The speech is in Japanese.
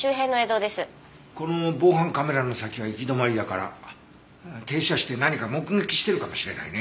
この防犯カメラの先は行き止まりだから停車して何か目撃してるかもしれないね。